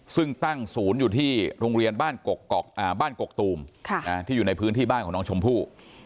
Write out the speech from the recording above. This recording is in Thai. ซึ่งตั้งศูนย์อยู่ที่โรงเรียนบ้านกกตูมที่อยู่ในพื้นที่บ้านของน้องชมพู่